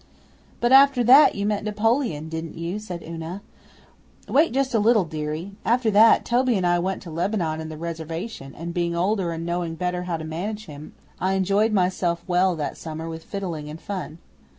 'But after that you met Napoleon, didn't you?' said Una. 'Wait Just a little, dearie. After that, Toby and I went to Lebanon and the Reservation, and, being older and knowing better how to manage him, I enjoyed myself well that summer with fiddling and fun.